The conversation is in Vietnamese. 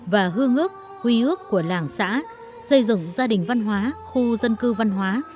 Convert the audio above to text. và hư ngước huy ước của làng xã xây dựng gia đình văn hóa khu dân cư văn hóa